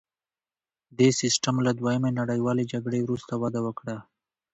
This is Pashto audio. دې سیستم له دویمې نړیوالې جګړې وروسته وده وکړه